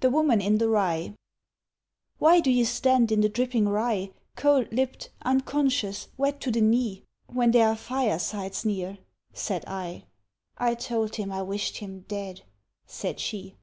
THE WOMAN IN THE RYE "WHY do you stand in the dripping rye, Cold lipped, unconscious, wet to the knee, When there are firesides near?" said I. "I told him I wished him dead," said she.